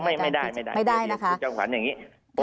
ไม่ได้คุณจังขวัญอย่างนี้